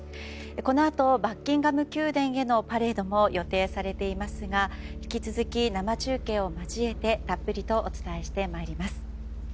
このあとバッキンガム宮殿へのパレードも予定されていますが引き続き生中継を交えてたっぷりとお伝えしてまいります。